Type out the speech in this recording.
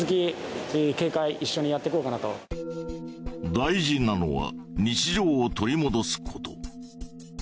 大事なのは日常を取り戻すこと。